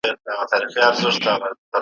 یو شته من وو چي دوې لوڼي یې لرلې ,